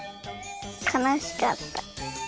かなしかった。